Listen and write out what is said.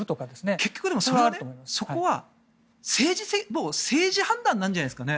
結局そこは政治判断なんじゃないですかね？